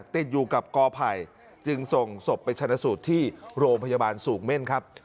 ติดอยู่กับกอไผ่จึงส่งศพไปชนะสูตรที่โรงพยาบาลสูงเม่นครับ